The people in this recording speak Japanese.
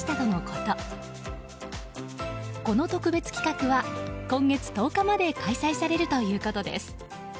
この特別企画は今月１０日まで開催されるということです。